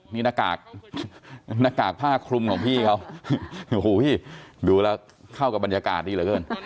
นี่หน้ากากหน้ากากผ้าคลุมของพี่เขาโอ้โหพี่ดูแล้วเข้ากับบรรยากาศดีเหลือเกิน